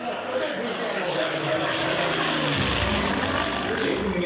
ＶＴＲご覧くださいどうぞ。